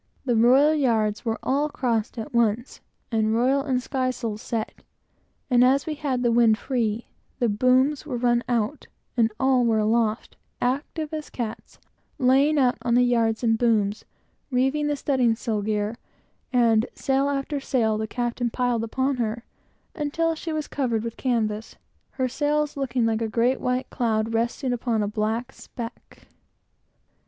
The royal yards were all crossed at once, and royals and skysails set, and, as we had the wind free, the booms were run out, and every one was aloft, active as cats, laying out on the yards and booms, reeving the studding sail gear; and sail after sail the captain piled upon her, until she was covered with canvas, her sails looking like a great white cloud resting upon a black speck.